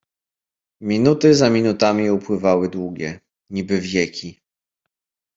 "Minuty za minutami upływały długie, niby wieki."